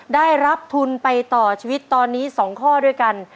ได้รับทุนไปต่อชีวิตตอนนี้๒ข้อด้วยกัน